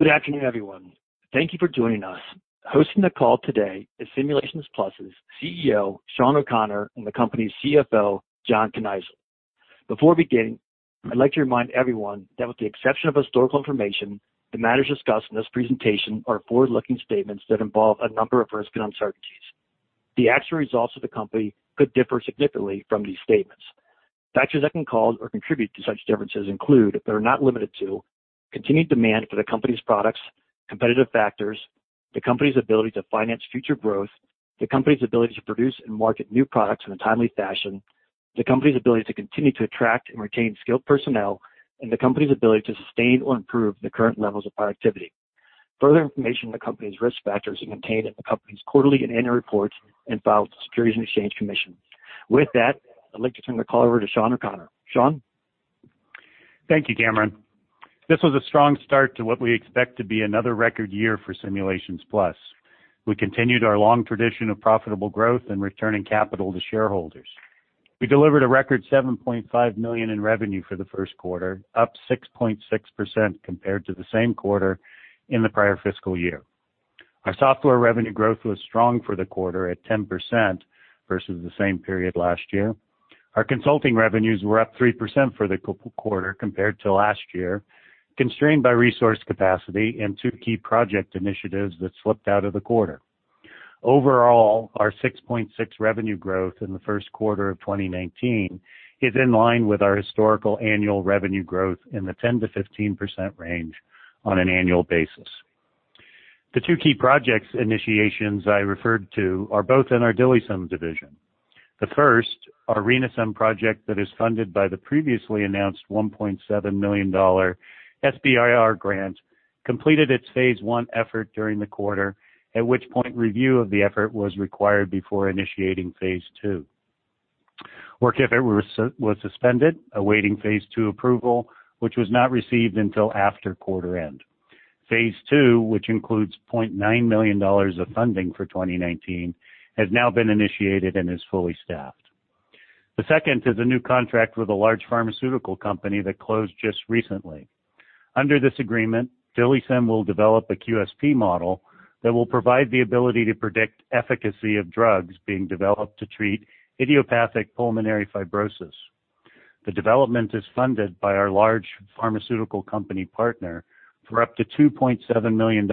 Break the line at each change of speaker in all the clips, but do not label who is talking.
Good afternoon, everyone. Thank you for joining us. Hosting the call today is Simulations Plus' CEO, Shawn O'Connor, and the company's CFO, John Kneisel. Before beginning, I'd like to remind everyone that with the exception of historical information, the matters discussed in this presentation are forward-looking statements that involve a number of risks and uncertainties. The actual results of the company could differ significantly from these statements. Factors that can cause or contribute to such differences include, but are not limited to, continued demand for the company's products, competitive factors, the company's ability to finance future growth, the company's ability to produce and market new products in a timely fashion, the company's ability to continue to attract and retain skilled personnel, and the company's ability to sustain or improve the current levels of productivity. Further information on the company's risk factors are contained in the company's quarterly and annual reports and filed with the Securities and Exchange Commission. With that, I'd like to turn the call over to Shawn O'Connor. Shawn?
Thank you, Cameron. This was a strong start to what we expect to be another record year for Simulations Plus. We continued our long tradition of profitable growth and returning capital to shareholders. We delivered a record $7.5 million in revenue for the first quarter, up 6.6% compared to the same quarter in the prior fiscal year. Our software revenue growth was strong for the quarter at 10% versus the same period last year. Our consulting revenues were up 3% for the quarter compared to last year, constrained by resource capacity and two key project initiatives that slipped out of the quarter. Overall, our 6.6% revenue growth in the first quarter of 2019 is in line with our historical annual revenue growth in the 10%-15% range on an annual basis. The two key projects initiations I referred to are both in our DILIsym division. The first, our RENAsym project that is funded by the previously announced $1.7 million SBIR grant, completed its phase I effort during the quarter, at which point review of the effort was required before initiating phase II. Work effort was suspended, awaiting phase II approval, which was not received until after quarter end. Phase II, which includes $0.9 million of funding for 2019, has now been initiated and is fully staffed. The second is a new contract with a large pharmaceutical company that closed just recently. Under this agreement, DILIsym will develop a QSP model that will provide the ability to predict efficacy of drugs being developed to treat idiopathic pulmonary fibrosis. The development is funded by our large pharmaceutical company partner for up to $2.7 million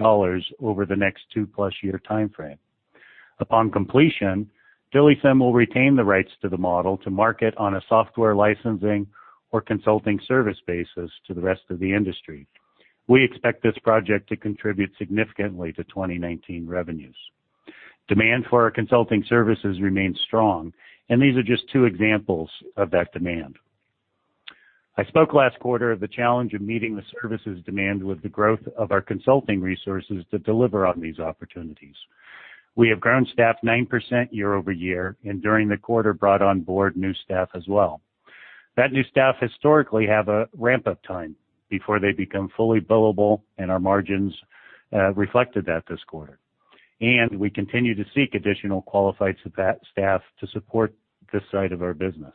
over the next two-plus year timeframe. Upon completion, DILIsym will retain the rights to the model to market on a software licensing or consulting service basis to the rest of the industry. We expect this project to contribute significantly to 2019 revenues. Demand for our consulting services remains strong, and these are just two examples of that demand. I spoke last quarter of the challenge of meeting the services demand with the growth of our consulting resources to deliver on these opportunities. We have grown staff 9% year-over-year and during the quarter brought on board new staff as well. That new staff historically have a ramp-up time before they become fully billable, and our margins reflected that this quarter. We continue to seek additional qualified staff to support this side of our business.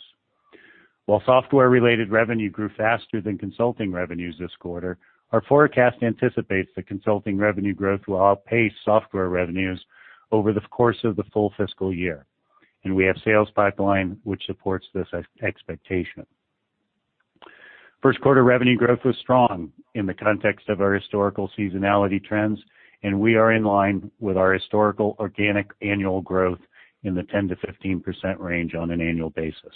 While software-related revenue grew faster than consulting revenues this quarter, our forecast anticipates the consulting revenue growth will outpace software revenues over the course of the full fiscal year. We have sales pipeline which supports this expectation. First quarter revenue growth was strong in the context of our historical seasonality trends. We are in line with our historical organic annual growth in the 10%-15% range on an annual basis.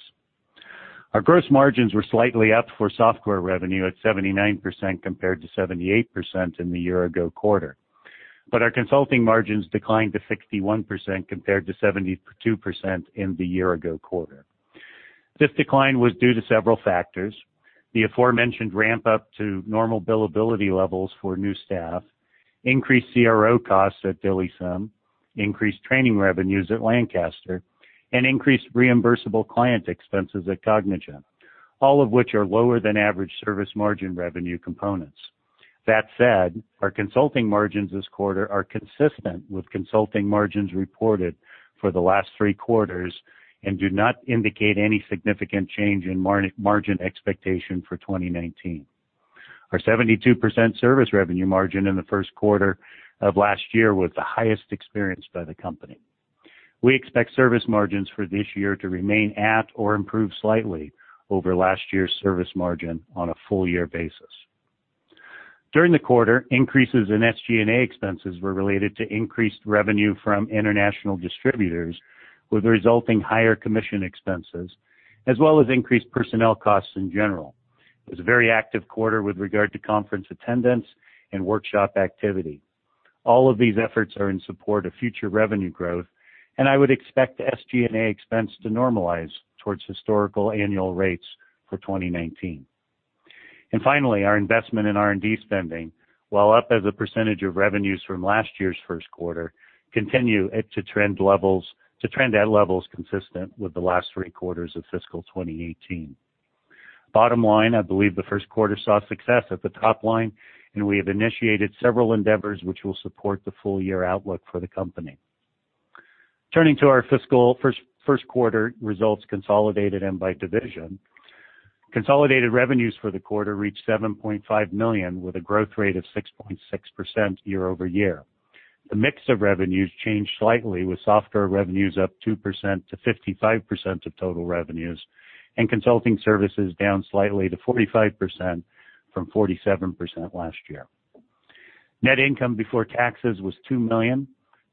Our gross margins were slightly up for software revenue at 79% compared to 78% in the year-ago quarter. Our consulting margins declined to 61% compared to 72% in the year-ago quarter. This decline was due to several factors. The aforementioned ramp-up to normal billability levels for new staff, increased CRO costs at DILIsym, increased training revenues at Lancaster, and increased reimbursable client expenses at Cognigen, all of which are lower than average service margin revenue components. That said, our consulting margins this quarter are consistent with consulting margins reported for the last three quarters and do not indicate any significant change in margin expectation for 2019. Our 72% service revenue margin in the first quarter of last year was the highest experienced by the company. We expect service margins for this year to remain at or improve slightly over last year's service margin on a full year basis. During the quarter, increases in SG&A expenses were related to increased revenue from international distributors, with resulting higher commission expenses, as well as increased personnel costs in general. It was a very active quarter with regard to conference attendance and workshop activity. All of these efforts are in support of future revenue growth. I would expect SG&A expense to normalize towards historical annual rates for 2019. Finally, our investment in R&D spending, while up as a percentage of revenues from last year's first quarter, continue to trend at levels consistent with the last three quarters of fiscal 2018. Bottom line, I believe the first quarter saw success at the top line. We have initiated several endeavors which will support the full-year outlook for the company. Turning to our fiscal first quarter results consolidated and by division. Consolidated revenues for the quarter reached $7.5 million with a growth rate of 6.6% year-over-year. The mix of revenues changed slightly, with software revenues up 2% to 55% of total revenues. Consulting services down slightly to 45% from 47% last year. Net income before taxes was $2 million,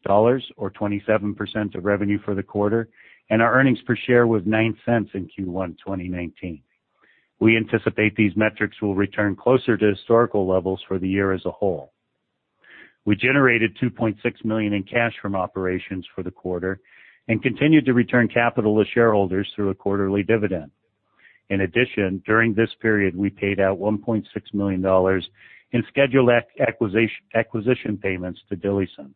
or 27% of revenue for the quarter. Our earnings per share was $0.09 in Q1 2019. We anticipate these metrics will return closer to historical levels for the year as a whole. We generated $2.6 million in cash from operations for the quarter and continued to return capital to shareholders through a quarterly dividend. In addition, during this period, we paid out $1.6 million in scheduled acquisition payments to DILIsym.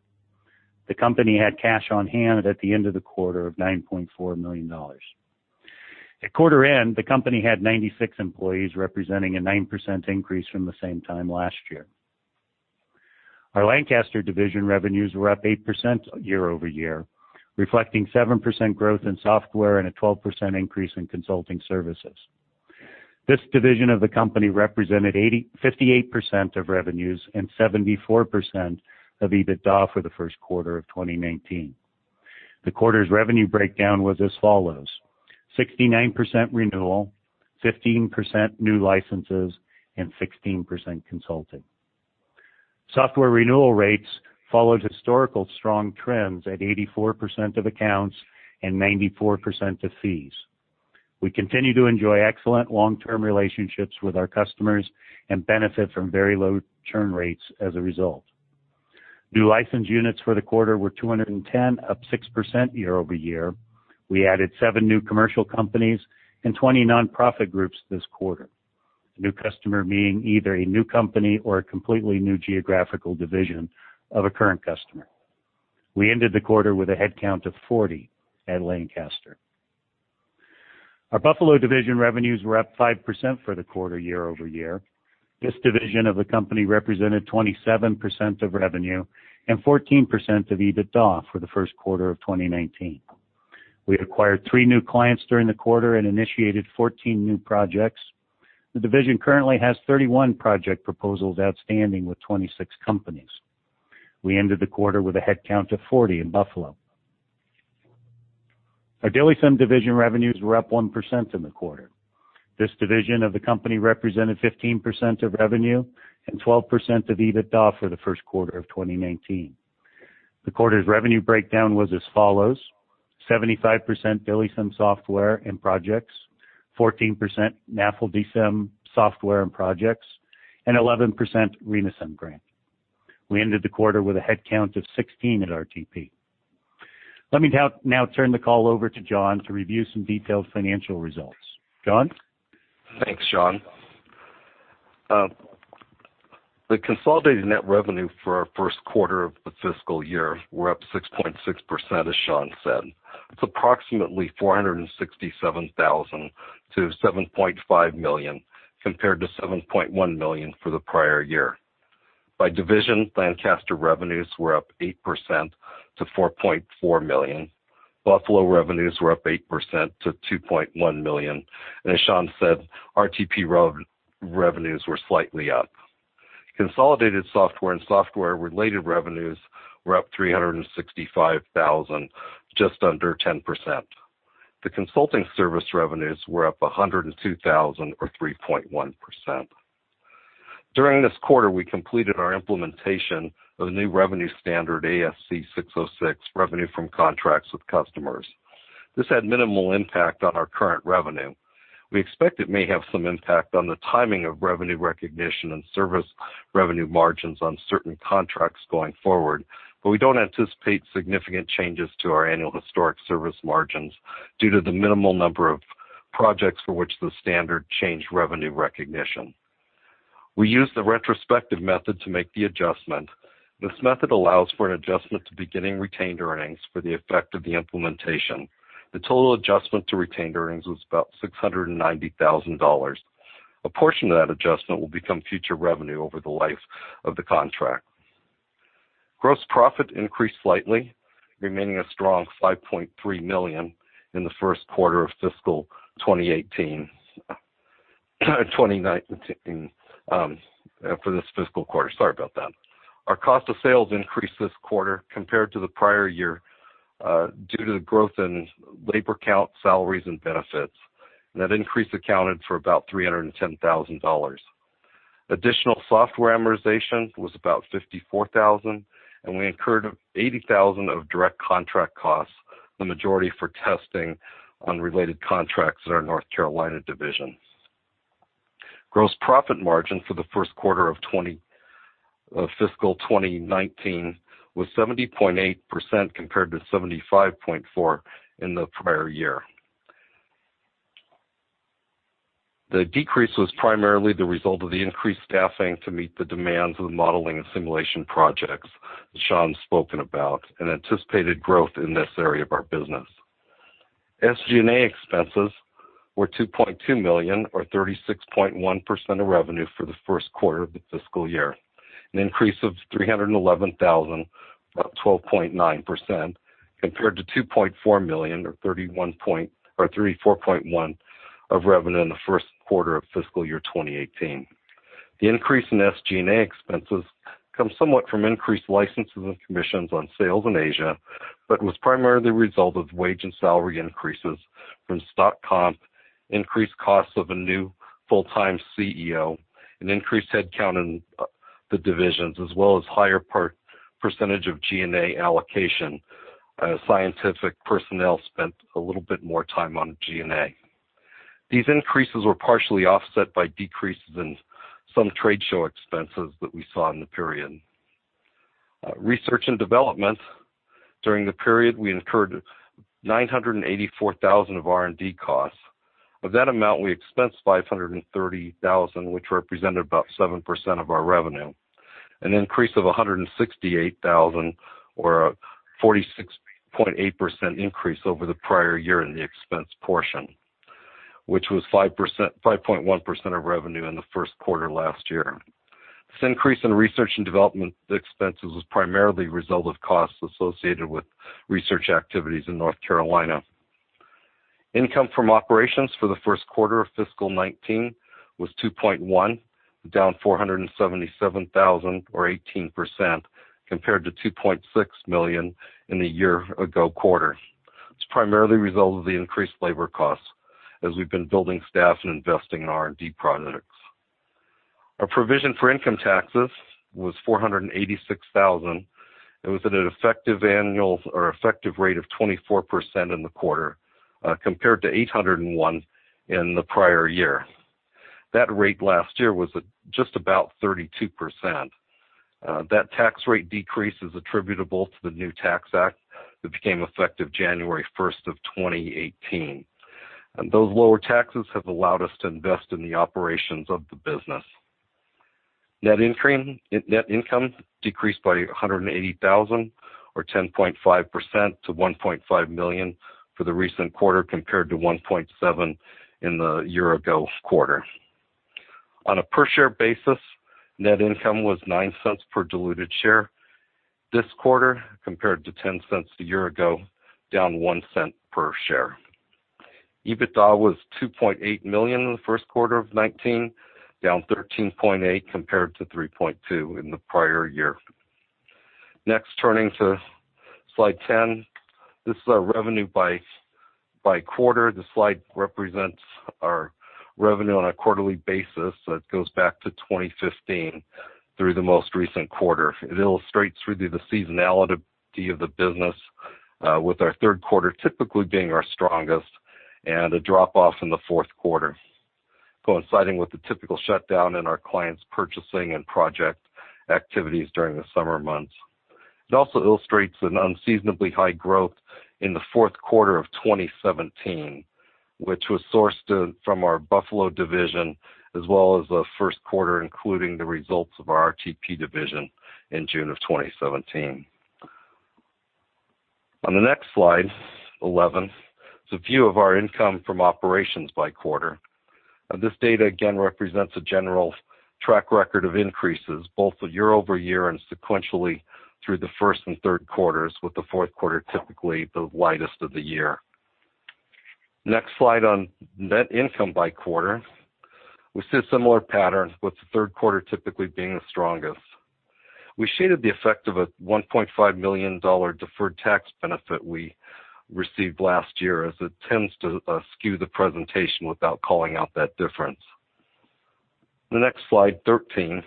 The company had cash on hand at the end of the quarter of $9.4 million. At quarter end, the company had 96 employees, representing a 9% increase from the same time last year. Our Lancaster division revenues were up 8% year-over-year, reflecting 7% growth in software and a 12% increase in consulting services. This division of the company represented 58% of revenues and 74% of EBITDA for the first quarter of 2019. The quarter's revenue breakdown was as follows: 69% renewal, 15% new licenses, and 16% consulting. Software renewal rates followed historical strong trends at 84% of accounts and 94% of fees. We continue to enjoy excellent long-term relationships with our customers and benefit from very low churn rates as a result. New license units for the quarter were 210, up 6% year-over-year. We added seven new commercial companies and 20 nonprofit groups this quarter. A new customer being either a new company or a completely new geographical division of a current customer. We ended the quarter with a headcount of 40 at Lancaster. Our Buffalo division revenues were up 5% for the quarter year-over-year. This division of the company represented 27% of revenue and 14% of EBITDA for the first quarter of 2019. We acquired three new clients during the quarter and initiated 14 new projects. The division currently has 31 project proposals outstanding with 26 companies. We ended the quarter with a headcount of 40 in Buffalo. Our DILIsym division revenues were up 1% in the quarter. This division of the company represented 15% of revenue and 12% of EBITDA for the first quarter of 2019. The quarter's revenue breakdown was as follows: 75% DILIsym software and projects, 14% NAFLDsym software and projects, and 11% RENAsym grant. We ended the quarter with a headcount of 16 at RTP. Let me now turn the call over to John to review some detailed financial results. John?
Thanks, Shawn. The consolidated net revenue for our first quarter of the fiscal year were up 6.6%, as Shawn said. It's approximately $467,000 to $7.5 million, compared to $7.1 million for the prior year. By division, Lancaster revenues were up 8% to $4.4 million. Buffalo revenues were up 8% to $2.1 million, and as Shawn said, RTP revenues were slightly up. Consolidated software and software-related revenues were up $365,000, just under 10%. The consulting service revenues were up $102,000 or 3.1%. During this quarter, we completed our implementation of the new revenue standard, ASC 606, revenue from contracts with customers. This had minimal impact on our current revenue. We expect it may have some impact on the timing of revenue recognition and service revenue margins on certain contracts going forward. We don't anticipate significant changes to our annual historic service margins due to the minimal number of projects for which the standard changed revenue recognition. We used the retrospective method to make the adjustment. This method allows for an adjustment to beginning retained earnings for the effect of the implementation. The total adjustment to retained earnings was about $690,000. A portion of that adjustment will become future revenue over the life of the contract. Gross profit increased slightly, remaining a strong $5.3 million in the first quarter of fiscal 2019 for this fiscal quarter. Sorry about that. Our cost of sales increased this quarter compared to the prior year, due to the growth in labor count, salaries, and benefits. That increase accounted for about $310,000. Additional software amortization was about $54,000. We incurred $80,000 of direct contract costs, the majority for testing unrelated contracts at our North Carolina division. Gross profit margin for the first quarter of fiscal 2019 was 70.8% compared to 75.4% in the prior year. The decrease was primarily the result of the increased staffing to meet the demands of the modeling and simulation projects that Shawn spoken about and anticipated growth in this area of our business. SG&A expenses were $2.2 million, or 36.1% of revenue for the first quarter of the fiscal year. An increase of $311,000, about 12.9%, compared to $2.4 million or 34.1% of revenue in the first quarter of fiscal year 2018. The increase in SG&A expenses comes somewhat from increased licenses and commissions on sales in Asia, but was primarily the result of wage and salary increases from stock comp, increased costs of a new full-time CEO, an increased head count in the divisions, as well as higher percentage of G&A allocation. Scientific personnel spent a little bit more time on G&A. These increases were partially offset by decreases in some trade show expenses that we saw in the period. Research and development. During the period, we incurred $984,000 of R&D costs. Of that amount, we expensed $530,000, which represented about 7% of our revenue. An increase of $168,000 or a 46.8% increase over the prior year in the expense portion, which was 5.1% of revenue in the first quarter last year. This increase in research and development expenses was primarily the result of costs associated with research activities in North Carolina. Income from operations for the first quarter of fiscal 2019 was $2.1 million, down $477,000 or 18%, compared to $2.6 million in the year ago quarter. It's primarily the result of the increased labor costs as we've been building staff and investing in R&D products. Our provision for income taxes was $486,000, and was at an effective rate of 24% in the quarter, compared to $801,000 in the prior year. That rate last year was just about 32%. That tax rate decrease is attributable to the new tax act that became effective January 1st, 2018. Those lower taxes have allowed us to invest in the operations of the business. Net income decreased by $180,000 or 10.5% to $1.5 million for the recent quarter, compared to $1.7 million in the year-ago quarter. On a per share basis, net income was $0.09 per diluted share this quarter, compared to $0.10 a year ago, down $0.01 per share. EBITDA was $2.8 million in the first quarter of 2019, down 13.8% compared to $3.2 million in the prior year. Turning to slide 10. This is our revenue by quarter. The slide represents our revenue on a quarterly basis, so it goes back to 2015 through the most recent quarter. It illustrates really the seasonality of the business, with our third quarter typically being our strongest and a drop off in the fourth quarter, coinciding with the typical shutdown in our clients' purchasing and project activities during the summer months. It also illustrates an unseasonably high growth in the fourth quarter of 2017, which was sourced from our Buffalo division, as well as the first quarter, including the results of our RTP division in June of 2017. On the next slide, 11, it's a view of our income from operations by quarter. This data, again, represents a general track record of increases, both the year-over-year and sequentially through the first and third quarters, with the fourth quarter typically the lightest of the year. Slide on net income by quarter. We see a similar pattern, with the third quarter typically being the strongest. We shaded the effect of a $1.5 million deferred tax benefit we received last year, as it tends to skew the presentation without calling out that difference. The next slide, 13.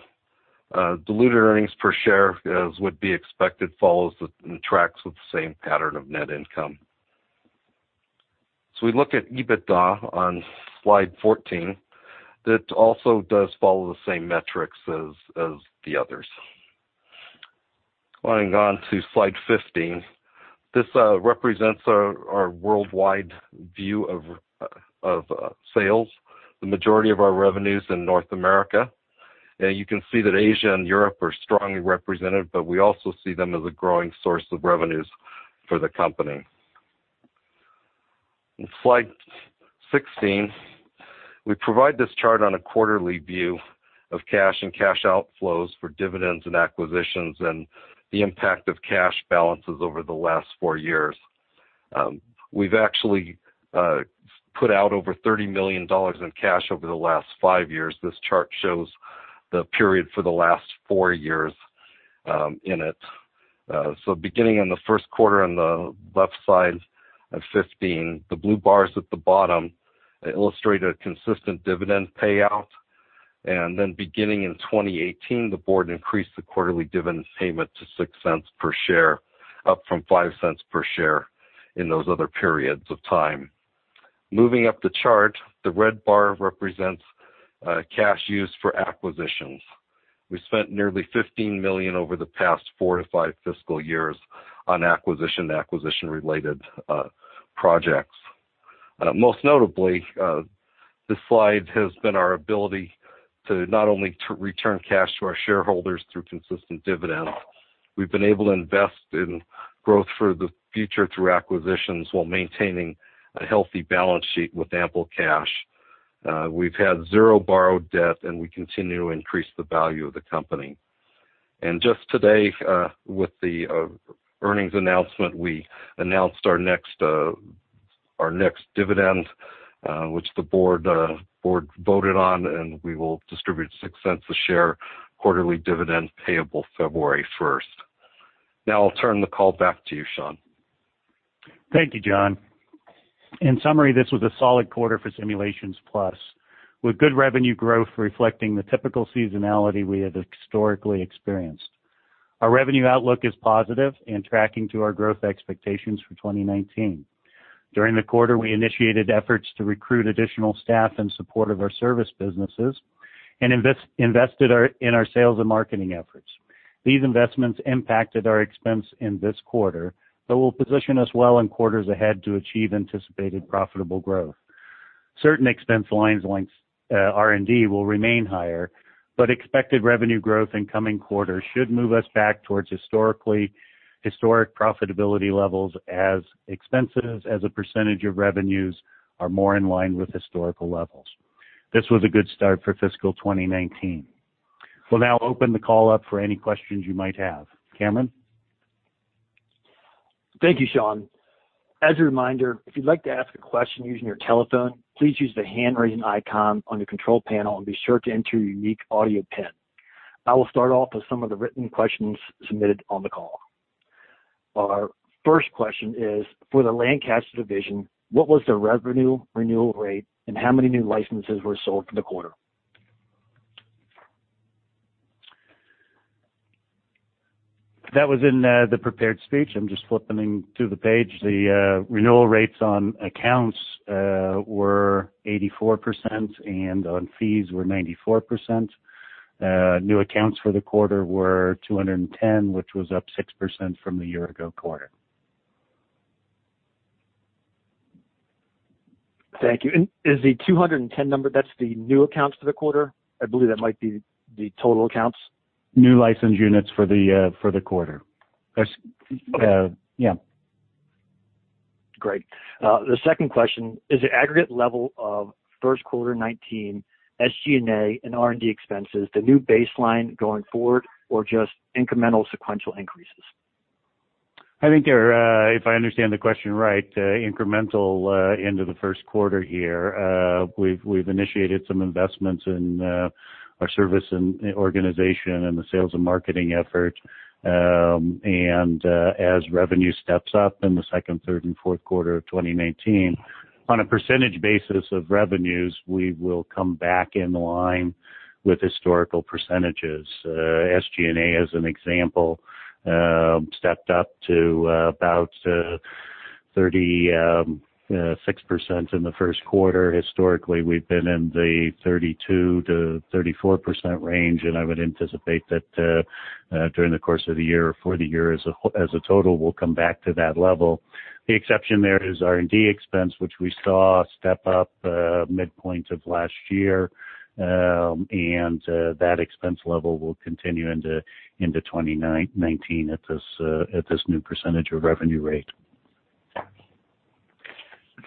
Diluted earnings per share, as would be expected, follows and tracks with the same pattern of net income. We look at EBITDA on slide 14. That also does follow the same metrics as the others. Sliding on to slide 15. This represents our worldwide view of sales, the majority of our revenue's in North America. You can see that Asia and Europe are strongly represented, but we also see them as a growing source of revenues for the company. In slide 16, we provide this chart on a quarterly view of cash and cash outflows for dividends and acquisitions and the impact of cash balances over the last four years. We've actually put out over $30 million in cash over the last five years. This chart shows the period for the last four years in it. Beginning in the first quarter on the left side of 15, the blue bars at the bottom illustrate a consistent dividend payout. Beginning in 2018, the board increased the quarterly dividend payment to $0.06 per share, up from $0.05 per share in those other periods of time. Moving up the chart, the red bar represents cash used for acquisitions. We spent nearly $15 million over the past four to five fiscal years on acquisition and acquisition-related projects. Most notably, this slide has been our ability to not only return cash to our shareholders through consistent dividends. We've been able to invest in growth for the future through acquisitions while maintaining a healthy balance sheet with ample cash. We've had zero borrowed debt, we continue to increase the value of the company. We announced our next dividend, which the board voted on, and we will distribute $0.06 a share quarterly dividend payable February 1st. I'll turn the call back to you, Shawn.
Thank you, John. In summary, this was a solid quarter for Simulations Plus, with good revenue growth reflecting the typical seasonality we have historically experienced. Our revenue outlook is positive and tracking to our growth expectations for 2019. During the quarter, we initiated efforts to recruit additional staff in support of our service businesses and invested in our sales and marketing efforts. These investments impacted our expense in this quarter, but will position us well in quarters ahead to achieve anticipated profitable growth. Certain expense lines, like R&D, will remain higher, but expected revenue growth in coming quarters should move us back towards historic profitability levels as expenses as a percentage of revenues are more in line with historical levels. This was a good start for fiscal 2019. We'll now open the call up for any questions you might have. Cameron?
Thank you, Shawn. As a reminder, if you'd like to ask a question using your telephone, please use the hand-raising icon on your control panel and be sure to enter your unique audio PIN. I will start off with some of the written questions submitted on the call. Our first question is, "For the Lancaster division, what was the revenue renewal rate, and how many new licenses were sold for the quarter?
That was in the prepared speech. I'm just flipping through the page. The renewal rates on accounts were 84% and on fees were 94%. New accounts for the quarter were 210, which was up 6% from the year-ago quarter.
Thank you. Is the 210 number, that's the new accounts for the quarter? I believe that might be the total accounts.
New license units for the quarter.
Okay.
Yeah.
Great. The second question: "Is the aggregate level of first quarter 2019 SG&A and R&D expenses the new baseline going forward or just incremental sequential increases?
I think they're, if I understand the question right, incremental into the first quarter here. We've initiated some investments in our service and organization and the sales and marketing effort. As revenue steps up in the second, third, and fourth quarter of 2019, on a percentage basis of revenues, we will come back in line with historical percentages. SG&A, as an example, stepped up to about 36% in the first quarter. Historically, we've been in the 32%-34% range, and I would anticipate that during the course of the year or for the year as a total, we'll come back to that level. The exception there is R&D expense, which we saw step up midpoint of last year. That expense level will continue into 2019 at this new percentage of revenue rate.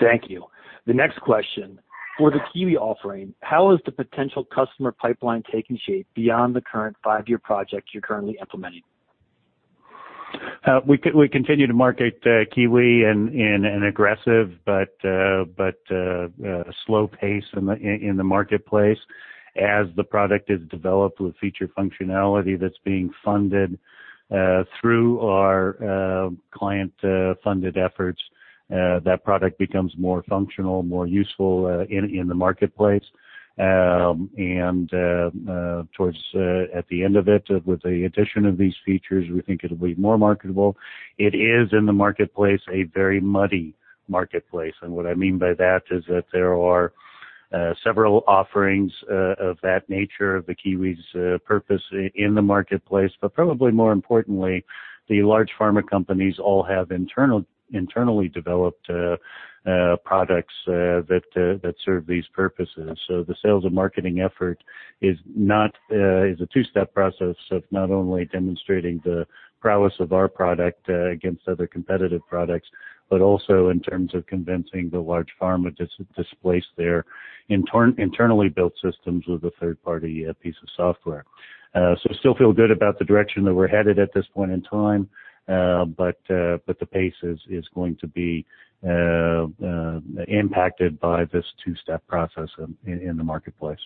Thank you. The next question: "For the KIWI offering, how is the potential customer pipeline taking shape beyond the current five-year project you're currently implementing?
We continue to market KIWI in an aggressive but slow pace in the marketplace. As the product is developed with feature functionality that's being funded through our client-funded efforts, that product becomes more functional, more useful in the marketplace. Towards at the end of it, with the addition of these features, we think it'll be more marketable. It is in the marketplace, a very muddy marketplace. What I mean by that is that there are several offerings of that nature of the KIWI's purpose in the marketplace. Probably more importantly, the large pharma companies all have internally developed products that serve these purposes. The sales and marketing effort is a two-step process of not only demonstrating the prowess of our product against other competitive products, but also in terms of convincing the large pharma to displace their internally built systems with a third-party piece of software. Still feel good about the direction that we're headed at this point in time. The pace is going to be impacted by this two-step process in the marketplace.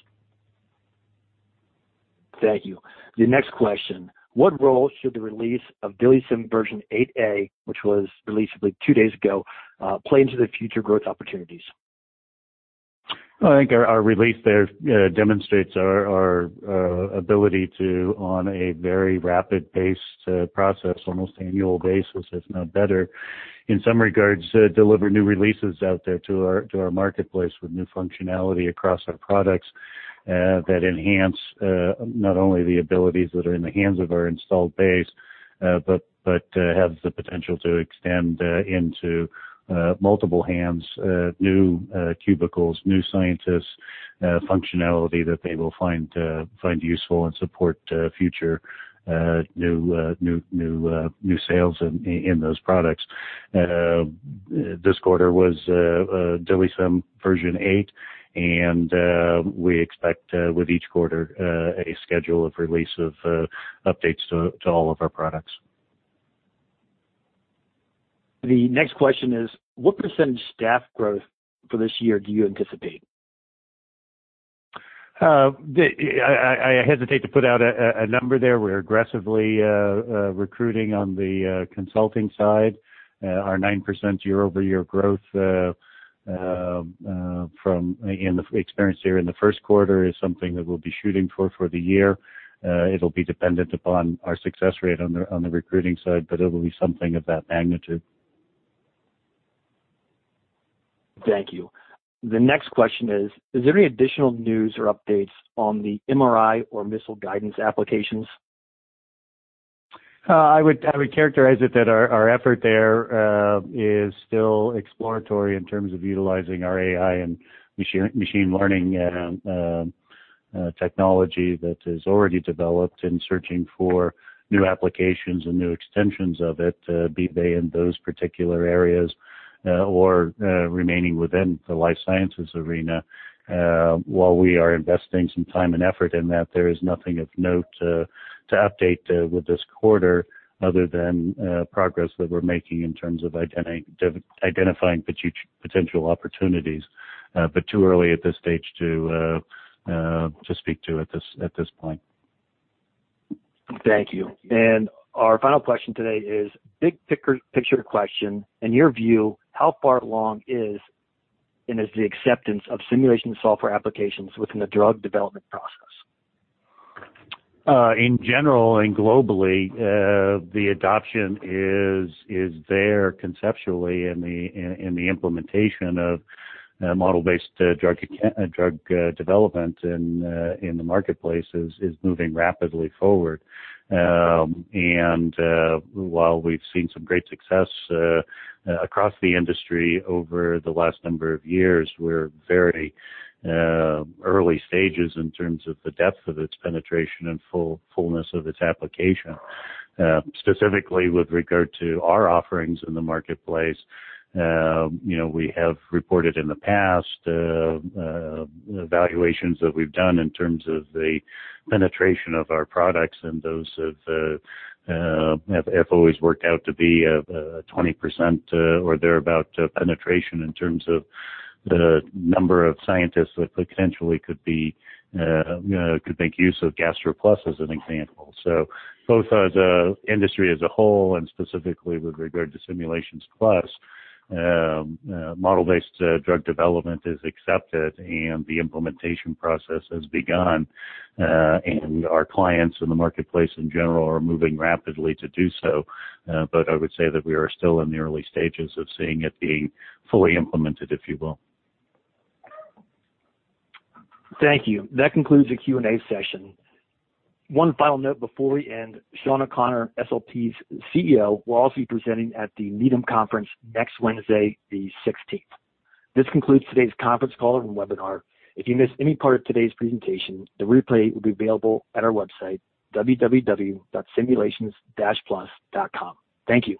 Thank you. The next question: "What role should the release of DILIsym version 8A, which was released, I believe, two days ago, play into the future growth opportunities?
I think our release there demonstrates our ability to, on a very rapid pace to process, almost annual basis, if not better, in some regards, deliver new releases out there to our marketplace with new functionality across our products that enhance not only the abilities that are in the hands of our installed base, but have the potential to extend into multiple hands, new cubicles, new scientists, functionality that they will find useful and support future new sales in those products. This quarter was DILIsym version 8A, and we expect with each quarter, a schedule of release of updates to all of our products.
The next question is, what percentage staff growth for this year do you anticipate?
I hesitate to put out a number there. We're aggressively recruiting on the consulting side. Our 9% year-over-year growth from the experience here in the first quarter is something that we'll be shooting for the year. It'll be dependent upon our success rate on the recruiting side, but it'll be something of that magnitude.
Thank you. The next question is there any additional news or updates on the MRI or missile guidance applications?
I would characterize it that our effort there is still exploratory in terms of utilizing our AI and machine learning technology that is already developed and searching for new applications and new extensions of it, be they in those particular areas or remaining within the life sciences arena. While we are investing some time and effort in that, there is nothing of note to update with this quarter other than progress that we're making in terms of identifying potential opportunities. Too early at this stage to speak to at this point.
Thank you. Our final question today is big picture question. In your view, how far along is the acceptance of simulation software applications within the drug development process?
In general and globally, the adoption is there conceptually in the implementation of model-based drug development in the marketplace is moving rapidly forward. While we've seen some great success across the industry over the last number of years, we're very early stages in terms of the depth of its penetration and fullness of its application. Specifically with regard to our offerings in the marketplace, we have reported in the past evaluations that we've done in terms of the penetration of our products, and those have always worked out to be a 20% or thereabout penetration in terms of the number of scientists that potentially could make use of GastroPlus as an example. Both as an industry as a whole and specifically with regard to Simulations Plus, model-based drug development is accepted and the implementation process has begun. Our clients in the marketplace in general are moving rapidly to do so. I would say that we are still in the early stages of seeing it being fully implemented, if you will.
Thank you. That concludes the Q&A session. One final note before we end, Shawn O'Connor, SLP's CEO, will also be presenting at the Needham Conference next Wednesday, the 16th. This concludes today's conference call and webinar. If you missed any part of today's presentation, the replay will be available at our website, www.simulations-plus.com. Thank you.